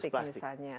dari plastik misalnya